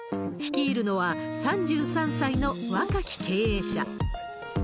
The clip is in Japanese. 率いるのは３３歳の若き経営者。